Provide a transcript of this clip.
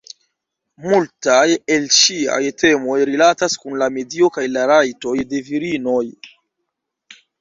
Multaj el ŝiaj temoj rilatas kun la medio kaj la rajtoj de virinoj.